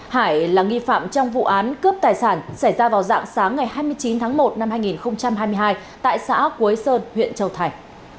hải là nghi phạm trong vụ án cướp tài sản xảy ra vào dạng sáng ngày hai mươi chín tháng một năm hai nghìn hai mươi hai tại xã quế sơn huyện châu thành